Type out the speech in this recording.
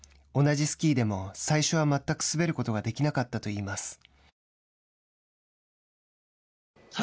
同じスキーでも最初は全く滑ることができなかったといいます。